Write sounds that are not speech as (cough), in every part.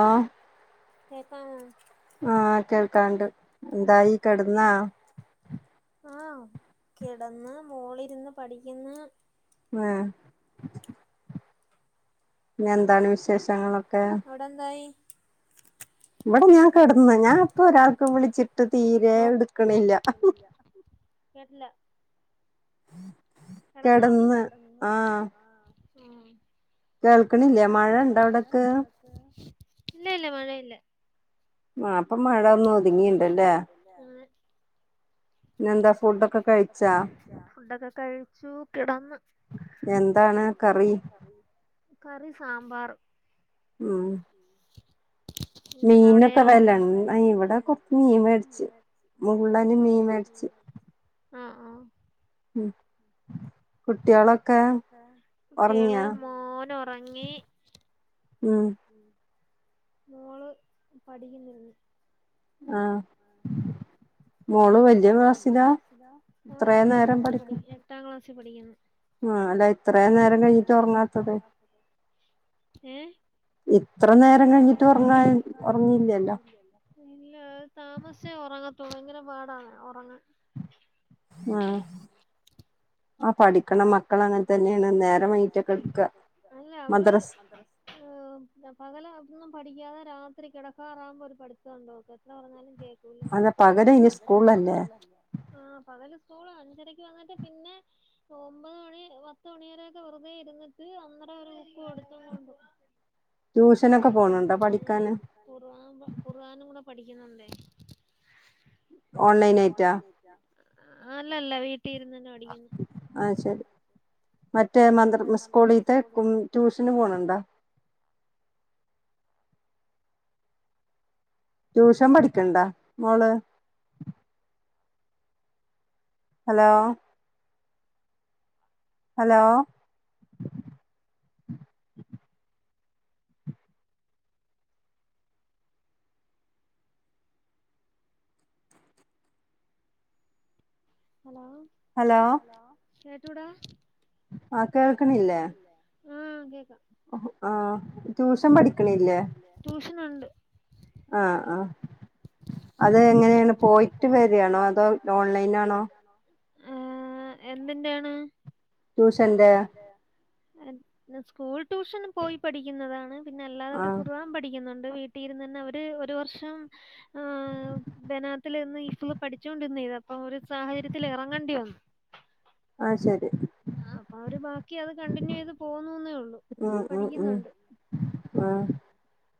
ആ എപ്പം ആ കേൾക്കാണ്ട് എന്തായി കെട്ന്നാ ആ കിടന്ന് മോളിരുന്ന് പഠിക്ന്ന് ഏ എന്താണ് വിശേഷങ്ങളൊ അവ്ടെന്തായി ഇവിടെ ഞാൻ കിടന്ന് ഞാഇപ്പോ ഒരാക്ക വിളിച്ചി് ട്ട് തീരെ ഇട്ക്ണില്ല കെടന്നൊ കെടന്ന് ആ കേൾക്ക്ണില്ലെ മഴണ്ടൊ ആവ്ടക്കെ ഇല്ല ഇല്ല മഴ ഇല്ല ആ അപ്പൊ മഴൊന്നു ഒതുങ്ങിണ്ടല്ലേ പിന്നെന്താ ഫുഡൊക്കെ കഴിച്ചോ ഫുഡ്ഡ്ക്കെ കഴിച്ചു കിടന്ന്. എന്താണ് കറി കറി സാമ്പാറ് മ് മീനൊക്ക വെല (unintelligible) ആ ആ മ് കുട്ട്യേളൊക്കെ കുട്ട്യേള് മോനൊറങ്ങി മ് മോള് പഠിക്ക്ന്ന് ആ മോള് വല്യ ക്ലാസ്ലലാ ആ എട്ടാക്ലാസ്സിൽ പഠി എട്ടാംക്ലാസിൽ പഠിക്കുന്നു. ആ അല്ല ഇത്ര നേരംകഴിഞ്ഞിട്ട് ഒറങ്ങാത്തത് ഏ ഇത്ര നേരം കഴിഞ്ഞിട്ട് ഒറങ്ങാ ഒറങ്ങില്ലല്ലോ ഇല്ല താമസിച്ചേ ഒറങ്ങ തൊള്ളൂ ഭയങ്കര പാടാണ് ഒറങ്ങൻ ആ പഠിക്കുന്ന മക്കള അങ്ങൻതന്നെ നേരം വൈകിട്ട കെട്ക്ക അല്ല അവള് മദ്രസ് പകല അവിടൊന്നും പഠിക്കാതെ രാത്രി കിടക്കാറാവുമ്പോ ഒരു പഠിത്തംണ്ടവക്ക് എത്ര പറഞ്ഞാലും കേക്കൂല അല്ല പകലയ്ൻ സ്കൂൾലല്ലെ ആ പകല് മോളെ അഞ്ചിരക്ക് വന്നിട്ട് പിന്നെ ഒമ്പത് മണി പത്ത മണിരൊക്കെ വെറുതെ ഇരുന്നിട്ട് അന്നര ഒരു ബുക്ക് എടുത്ത് കൊണ്ടു - (inaudible) ഖുറാനും കൂടെ പഠിക്കുന്നുണ്ടേ. ഓൺലൈൻ ആയിട്ടാ? അല്ല അല്ല വീട്ടി ഇരുന്ന്ന്നെ പഠിക്കന്ന്. ആഹ് ശരി മറ്റേ മന്ത്ര സ്കൂളിലത്തെ കു ട്യൂഷന് പോണണ്ടോ ട്യൂഷൻ പഠിക്കണ്ടാ മോള് ഹലോ ഹലോ (inaudible) ഹലോ ഹലോ കേട്ടൂടാ. ആ കേൾക്കണില്ലേ? ആ കേക്കാ ആഹ ട്യൂഷൻ പഠിക്കണല്ലേ? ന്നുണ്ട് ആ ആ അത് എങ്ങനെയാണ് പോയിട്ട് വരിയാണോ അതോ ഓൺലൈന ഏ എന്തിന്റെന് സ്കൂൾ ട്യൂഷൻ പോയി പഠിക്കുന്നതാണ്. പിന്നെ അല്ലാതെ ഒരു കുർആൻ പഠിക്കുന്നു വീട്ടിയിരുന്നുതന്നെ അവര് ഒരു വർഷം ആ ബനാത്തിലിന്ന് ഇഫ്ള് പഠിച്ചൊണ്ടിന്നെ. ഇത് അപ്പം ഒരു സാഹചര്യത്തിൽ ഇറങ്ങണ്ടിവന്ന്. ആ ശെരി. അപ്പൊ അവര് ബാക്കിയത് കണ്ടിന്യൂ ചെയ്ത് പോന്നൂന്നേയൊള്ളു പഠിക്കുന്നൊണ്ട്. ആം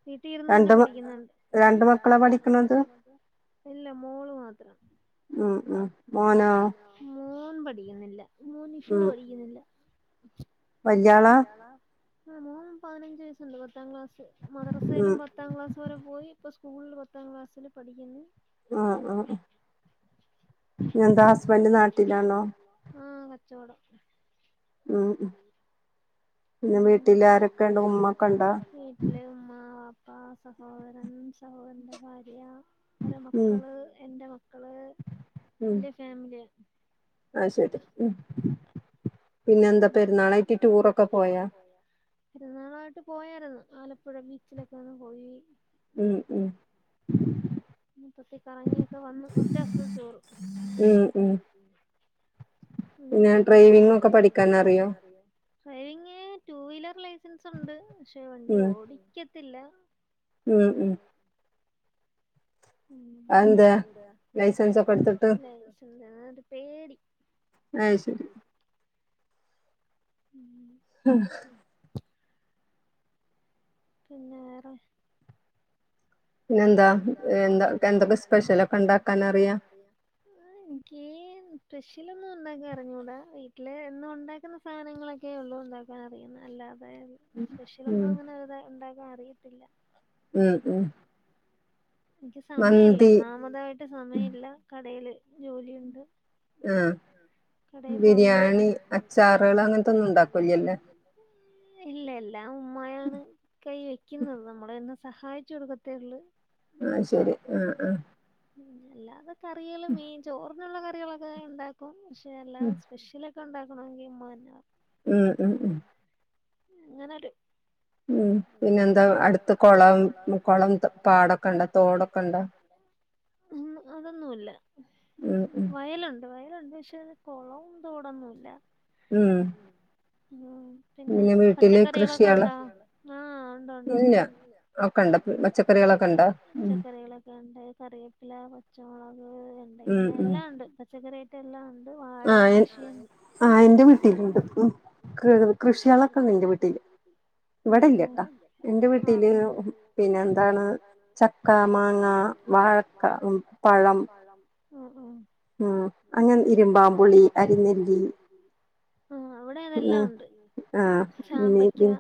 വീട്ടിൽ ഇരുന്ന് തന്നെ പഠിക്കുന്നുണ്ട് രണ്ടു മക്കളാ പഠിക്കുന്നത് ഇല്ല മോള് മാത്ര ഉം ഉം മോനോ തീർന്നില്ല മോനി ഷു പടിക്കുന്നില്ല വല്ല്യാളാ മോം പതിനഞ്ചുവയസ്സൊണ്ട് പത്താം ക്ലാസ് മദ്രസയിലും പത്താം ക്ലാസ് വരെപോയി. ഇപ്പ സ്കൂളില് പത്താം ക്ലാസ്സില് പഠിക്കുന്നു. ആ ആ എന്താ ഹസ്ബൻഡ് നാട്ടിലാണോ ച്ചോടം ഉം ഉം പിന്നെ വീട്ടിൽ ആരൊക്കെ ഇണ്ട് ഉമ്മ ഒക്കെ ഇണ്ടാ ഉമ്മാ, ബാപ്പാ, സഹോദരൻ, സഹോദരന്റെ ഭാര്യ ഓരെ മക്കെൾ എന്റെ മക്കെൾ വല്യ ഫാമിലിയാ. അഹ് ശെരി ഉം പിന്നെ എന്താ പെര്ന്നാളായിട്ട് ടൂറൊക്കെ പോയോ? പെര്ന്നാളായിട്ട് പോയാര്ന്നു ആലപ്പുഴ ബീച്ചിലൊക്കെ അന്ന് പോയി ഉം ഉം മൂപ്പെത്തി കറങ്ങിയൊക്കെ വന്ന് ഒറ്റെസ്ത്തെ ടൂർ ഉം ഉം പിന്നെ ഡ്രൈവിങ്ങൊക്കെ പഠിക്കാൻ അറിയോ? ഡ്രൈവിങ്ങ് ടു വീലെർ ലൈസൻസ് ഉണ്ട് പക്ഷെ വണ്ടി ഓടിക്കത്തില്ല ഉം ഉം ഉം അഹ് എന്താ (unintelligible) ഞാ ഇന്നെട്ട് പേടി അഹ് ശരി ഹ് പിന്നെ വെറെ പിന്നെ എന്താ ഏഹ് എന്തൊക്കെ സ്പെഷ്യലൊക്കെ ഇണ്ടാക്കാൻ അറിയാ ആഹ് ഇൻക്ക് സ്പെഷെൽ ഒന്നും ഉണ്ടാക്കാൻ അറിഞ്ഞുടാ വീട്ട്ൽ എന്നും ഒണ്ടാക്കുന്ന സാനങ്ങളൊക്കെ ഒള്ളു ഇണ്ടാക്കാൻ അറിയുന്നെ അല്ലാ അതായത് സ്പെഷ്യലൊന്നും അങ്ങനെ ത ഉണ്ടാക്കാൻ അറിയത്തില്ല. ഉം ഉം ഇൻക്ക് സമയല്ല ഒന്നാമതായിട്ട് സമയല്ല കടേല് ജോലിയുണ്ട് ആ കടയി പോകുന്നുണ്ട്. ബിരിയാണി അച്ചാറെള് അങ്ങൻതൊന്നും ണ്ടാക്കൽല്ലല്ലോ ഇല്ല ഇ എല്ലാം ഉമ്മായാണ് കൈ വെക്കുന്നത് നമ്മള്ഒന്ന് സഹായിചൊടുക്കത്തേഒള്ളു ആ ശരി ആ ആ അല്ലാതെ കറികള് മീൻ ചോറിനുള്ള കറികളൊക്കെ ഇണ്ടാക്കും പക്ഷെ അല്ലാതെ സ്പെഷ്യൽ ഒക്കെണ്ടാക്കണങ്കിൽ ഉമ്മതന്നെ ഉം ഉം ഉ അങ്ങനെരു ഉം പിന്നെ എന്താ അടുത്ത കുളം കുളം പാടം ഉ അതൊന്നുമല്ല വയലുണ്ട് വയലുണ്ട് ക്ഷേ കൊളവും തോടൊന്നുല്ല ഉം ആ പിന്നെ പച്ചക്കറികളൊക്കെ ഉണ്ടോ ആ ഉണ്ട ഉണ്ട് ഉണ്ട് ഉണ്ട്. ഒക്കെ ഉണ്ട് പച്ചക്കറികളൊക്കെ ഉണ്ടാ പച്ചക്കറികളൊക്കെ ഉണ്ട് കറിയേപ്പില കൊച്ചമുളക് എണ്ടക്ക എല്ലാം ഉണ്ട് പച്ചക്കറി ല്ല ഉ ആഹ് ആ എന്റെ വീട്ടിലണ്ട് ക കൃഷിളൊക്കെണ്ട് ന്റെ വീട്ടില് ഇവിടെല്ലേക്കാ എന്റെ വീട്ടില് പിന്നെ എന്താണ് ക്ക മാങ്ങ വാഴക്ക പഴം ഉം അങ്ങൻ ഇരുമ്പാമ്പുളി അരിനെല്ലി ആഹ ആഹ ഇന്നീ പി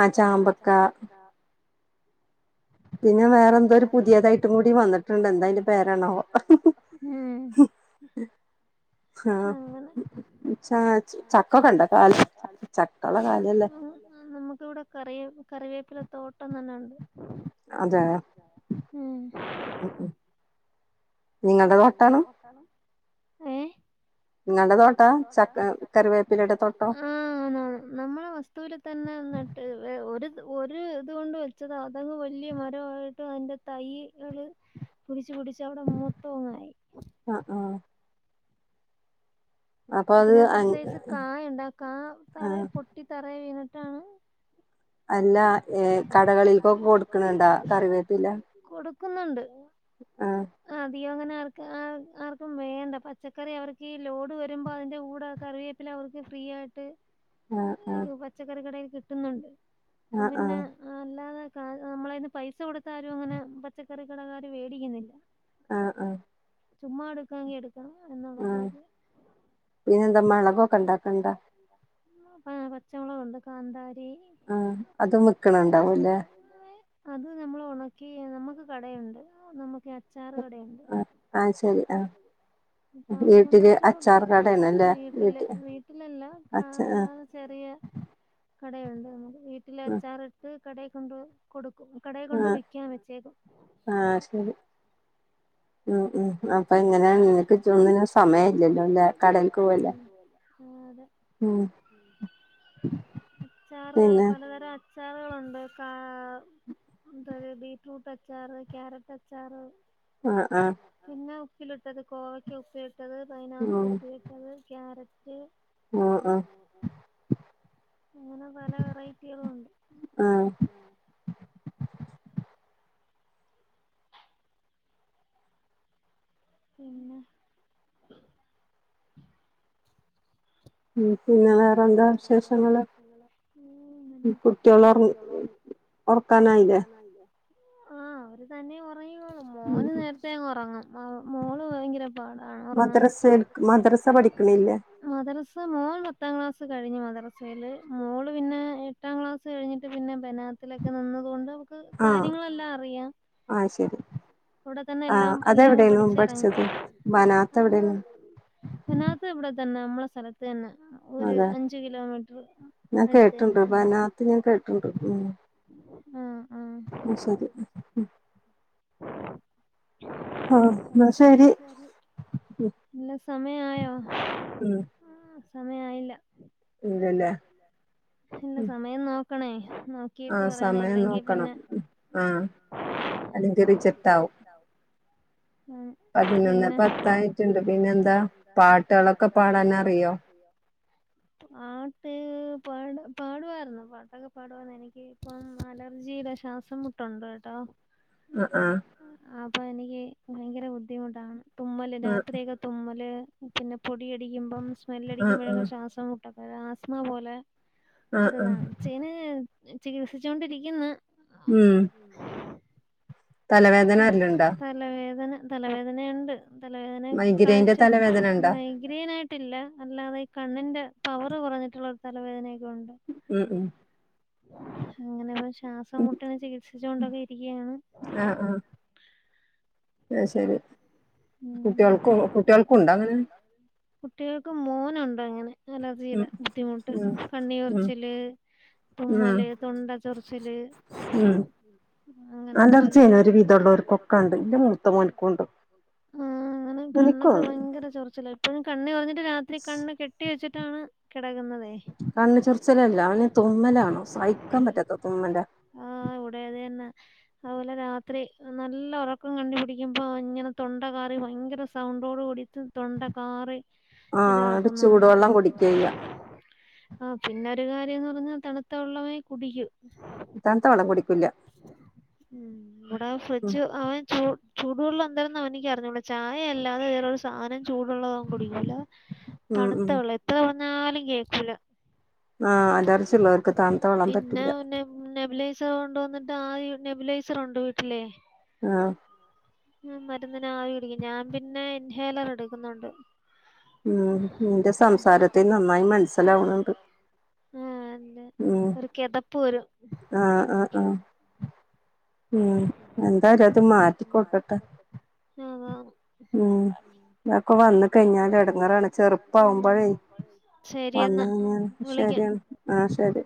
ആ ചാമ്പക്ക പിന്നെ വേറെന്തോ ഒരു പുതിയതായിട്ട കൂടി വന്നിട്ടണ്ട് എന്തായും വേരണ ഉം ആഹ ചക്കൊക്കെണ്ട കാല ചക്കള കാലല്ലേ നമുക്കിവിടെ കറി കറിവേപ്പിലെ തോട്ടം തന്നെ ഉണ്ട് ഉം നിങ്ങളുടെ തോട്ടാണ് ആ നമ്മള വസ്തുവിൽ തന്നെ നട്ട് ത്രെ ഒരു ഒരു ഇത കൊണ്ട് വെച്ചത് അതങ്ങ് വലിയ മരമായിട്ട് അതിന്റെ തൈകള് ച്ചു പിടിച്ച് അവിടെ മൂത്തോങ്ങായി ഇതിനകത്തൊ ഒരു സൈസ് കായ ഉണ്ട കായ തറ പൊട്ടി തറ വീ കൊടുക്കുന്നുണ്ട് ആ അത് അങ്ങന ആർക്കും വേണ്ട പച്ചക്കറി അവർക്ക്ഈ ലോഡ് വരുമ്പോ അതിന്റെ കൂടെ കറിവേപ്പിൽ അവർക്ക് ഫ്രീ യിട്ട് പച്ചക്കറിക്കടയിൽ കിട്ടുന്നുണ്ട് ആഹ ആഹ നമ്മളതിന്ന് പൈസ കൊടുത്താരും അങ്ങനെ പച്ചക്കറ കടകാരും മേടിക്കുന്നില്ല ആഹ ആഹ സുമ് എടുക്കാ എടുക്ക ആ പിന്നെ എന്താ മുളകൊക്കെ ഇണ്ടാക്കണ്ടാ പച്ചമുളകുണ്ട് കാന്താരി അത് നമ്മൾണ നമുക്ക് കടയുണ്ട് നമുക്ക് ആ ടെ കൊണ്ട്ടുക്ക വീട്ട വീട്ട ല്ല കല്ലാെ ചെറിയ ഉ (unintelligible) (inaudible) കടയുണ്ട് നമ്മുക്ക് വീട്ടിൽ അച്ചാറിട്ട് കടെ കൊണ്ട് കൊടുക്ക കടയെ കൊണ്ട് വിക്കാൻ വെച്ചേക്കും ഉം ഉം അപ്പൊ ഇങ്ങനെ നിനക്ക് ഒന്നിനും സമയ ഇല്ലല്ലോല്ല കടൽക്ക് പോവല്ല അ അതെ ഉം അച്ചാറുകള് പലതരം അച്ചാറുകളുണ്ട് കാ ഇതൊരു ബീറ്റ്റൂട്ട് അച്ചാറ് ക്യാരറ്റ് അച്ചാറ് ആ പിന്നെ ഉപ്പിലിട്ടത് കോവയ്ക്ക ഉപ്പിലിട്ടത് പൈനാപ്പിൾ ഉപ്പിലിട്ടത് ക്യാര ആ ആഹാ ആഹാ അങ്ങനെ പല വെറൈറ്റികളുംണ്ട് പിന്നെ ഞെ രണ്ട വിശേഷങ്ങള ഇങ്ങനെയൊക്കെ പോള വളർന്നു (unintelligible) ഒറക്കാനായില്ലേ ആ അവര് തന്നെ ഒ മോന് നേരത്തെ അങ്ങ് ഉറങ്ങും മോള് ഭയങ്കര പാടാണ് ഉറങ്ങാൻ മദ്രസ മോള് ക്ലാസ്സ് കഴിഞ്ഞ് മദ്രസേല് മോള് പിന്നെ എട്ടാം ക്ലാസ് കഴിഞ്ഞിട്ട് പിന്നെ ബനാത്തിലൊക്കെ നിന്നതുകൊണ്ട് ഓക്ക് കാര്യങ്ങളെല്ലാം അറിയാം ഇവിടെത്തന്നെ എല്ലാം എല്ലാം അങ്ങ് പഠിച്ചിറങ്ങി അത് ബനാത്ത് ഇവിടെ തന്നെ നമ്മടെ സ്ഥലത്ത് തന്നെ അതെ ഞാൻ കേട്ടിണ്ട് ബനാത്ത് ഞാൻ കേട്ടിട്ടുണ്ട് ഉം അത് ശരി ആ പിന്നെ സമയായോ സമയായില്ല ഇല്ല സമയം നോക്കണേ നോക്കീട്ട് പറയണേ അല്ലെങ്കിൽ പിന്നെ അത് റിജക്ട് ആവും ഉ പിന്നെ എന്താ പാട്ടുകളൊക്കെ പാടാനറിയോ (inaudible) ആ (inaudible) പാടും പാടുവായിരുന്നു പാട്ടൊക്കെ പാടുവായിരുന്നു എനിക്ക് ഇപ്പം അലർജിയുടെ ശ്വാസം മുട്ടുണ്ട് കേട്ടോ ആ ആ അപ്പൊ എനിക്ക് ഭയങ്കര ബുദ്ധിമുട്ടാണ് തുമ്മല് രാത്രിയൊക്കെ തുമ്മല് പിന്നെ പൊടിയടിക്കുമ്പം സ്മെല്ടിക്കുമ്പോഴൊക്കെ ശ്വാസം മുട്ടാ അപ്പോ ആസ്മ പോലെ ഒരിതാണ് (unintelligible) ചികിത്സിച്ചുകൊണ്ടിരിക്കുന്ന് ഉം തലവേദന വരലുണ്ടാ തലവേദനയുണ്ട് തലവേദന കാഴ്ച്ച് മൈഗ്രെയിൻ ആയിട്ടില്ല അല്ലാതെ ഈ കണ്ണിന്റെ പവറ് കുറഞ്ഞിട്ടുള്ള ഒരു തലവേദന ഉം ഉം അങ്ങനെ ഇപ്പോ ശ്വാസം മുട്ടിന് ചികിത്സിച്ച് കൊണ്ടൊക്കെ ഇരിക്കയാണ് അത് ശരി ഉം കുട്ടികൾക്കും ഉണ്ടോ അങ്ങനെ കുട്ടികൾക്ക് മോനുണ്ട് അലർജിടെ ബുദ്ധിമുട്ട് കണ്ണ് ചൊറിച്ചില് തുമ്മെല് തൊണ്ട ചൊറ്ച്ചിൽ അലെർജി അയിന് ഒര് മ് അങ്ങനെ കണ്ണൊക്കെ ഭയങ്കര ചൊറി ചെലപ്പം കണ്ണ് ചൊർഞ്ഞിട്ട് രാത്രി കണ്ണ് കെട്ടി വെച്ചിട്ടാണ് കെടക്ക്ന്നതെ അവന് ചെറിച്ച്ൽ അല്ല അവന് തുമ്മലാണ് സഹിക്കാം പറ്റാത്ത തുമ്മലാ ആഹ് ഉവ്ടെ അതെര്ന്ന് അഹ് പോലെ രാത് ത്രി നല്ല ഒറക്കം കണ്ണ് പിടിക്കിമ്പോ അവൻ ഇങ്ങനെ തൊണ്ട കാറി ഭയങ്കര സൗണ്ടോട് കൂടിയിട്ട് തൊണ്ട കാറി ഇതാക്കുന്നുണ്ട് ചൂട് വെള്ളം ആഹ് പിന്നെ ഒര് കാര്യം ന്ന് പർഞ്ഞാ തണുത്ത വെള്ളമെ കുടിക്കു തൺതെ വെള്ളം കുടിക്കൂല്ല ഇവെടെ ഫ്രിഡ്ജ് അവൻ ചൂ ചൂടു വെള്ളം എന്താണെന്ന് അവനിക്ക് അർഞ്ഞൂടാ ചായ അല്ലാതെ വേറൊരു സാനം ചൂട് ഉള്ളെത് ഓൻ കുടിക്കൂലാ തണുത്ത വെള്ളം എത്ര പറഞ്ഞാലും കേക്കൂലാ ആഹ് അലർജി ഇള്ളൊർക്ക് തണ്ത്ത വെള്ളം പറ്റുലാ ച്ച് കൊണ്ട് വന്നിട്ട് (unintelligible) നെബ്ലൈസറുണ്ട് വീട്ടിലെയ് ആഹ് ഞാൻ മരുന്നിന് ആവി പിടിക്കും ഞാൻ പിന്നെ ഇൻഹേലെർ എട്ക്ക്ന്ന് ഇണ്ട്. ഉം നിന്റെ സംസാരത്തിന്ന് നന്നായി മൻസ്സിലാവ്ണ് ഇണ്ട് ഉം ആഹ് ആഹ് ആഹ് ഉം എന്താലും അത് മാറ്റി കൊട്ക്കെട്ടെ ഉം ഉം ഞാ ഇപ്പം വന്ന് കഴിഞ്ഞാണ്ട് എടങ്ങെറ് ആവ്ണ് ഉം ആവുമ്പളെ ശരി എന്നാ ശരിയാണ് ആഹ് ശരി